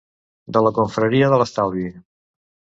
De la confraria de l'estalvi.